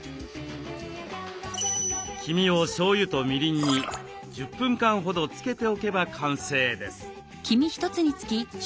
黄身をしょうゆとみりんに１０分間ほど漬けておけば完成です。